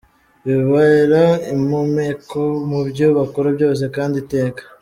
bibabera impumeko mu byo bakora byose, kandi iteka